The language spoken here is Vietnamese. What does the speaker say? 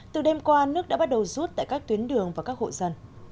từ đêm qua nước đã bắt đầu rút tại các tuyến đường và các hộ dân